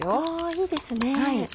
あぁいいですね。